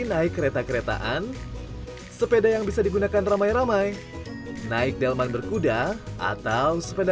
naik kereta keretaan sepeda yang bisa digunakan ramai ramai naik delman berkuda atau sepeda